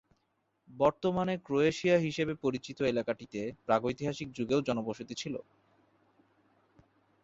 বর্তমানে ক্রোয়েশিয়া হিসেবে পরিচিত এলাকাটিতে প্রাগৈতিহাসিক যুগেও জনবসতি ছিল।